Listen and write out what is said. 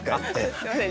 すみません。